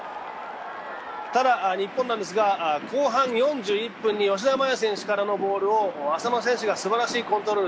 ただ、日本ですが後半４１分に吉田麻也選手からのボールを浅野選手がすばらしいコントロール。